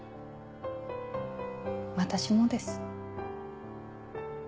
私もです。